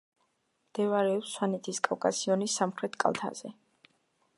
მდებარეობს სვანეთის კავკასიონის სამხრეთ კალთაზე.